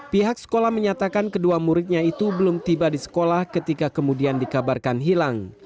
pihak sekolah menyatakan kedua muridnya itu belum tiba di sekolah ketika kemudian dikabarkan hilang